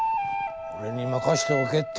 俺に任しておけって。